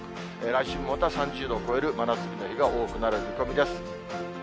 来週もまた、３０度を超える真夏日の日が多くなる見込みです。